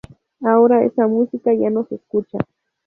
Ahora esa música ya no se escucha.